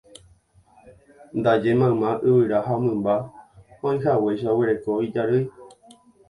Ndaje mayma yvyra ha mymba oĩhaguéicha oguereko ijarýi.